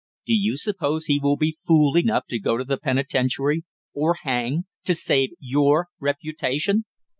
"Do you suppose he will be fool enough to go to the penitentiary, or hang, to save your reputation?"